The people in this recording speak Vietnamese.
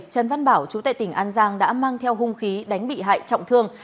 trần văn bảo trú tại tỉnh an giang đã mang theo hung khí đánh bị hại trọng thương